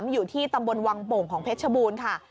อยู่ที่ตำบลวังโป่งของเพชรชบูรณ์ค่ะ